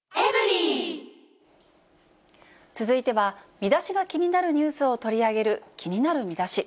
ミダシが気になるニュースを取り上げる気になるミダシ。